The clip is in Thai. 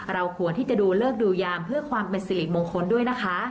เราควรที่จะดูเลิกดูยามเพื่อความเป็นสิริมงคลด้วยนะคะ